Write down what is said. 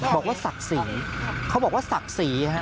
ศักดิ์ศรีเขาบอกว่าศักดิ์ศรีฮะ